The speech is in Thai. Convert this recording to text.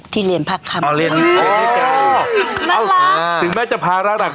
ที่เรียนภาคคำอ๋อเรียนน่ารักถึงแม่จะภาระหลัก